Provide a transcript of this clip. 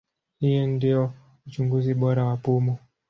Hii ndio uchunguzi bora wa pumu.